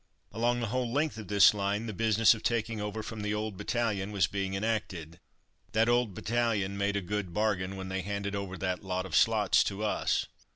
Along the whole length of this line the business of taking over from the old battalion was being enacted. That old battalion made a good bargain when they handed over that lot of slots to us.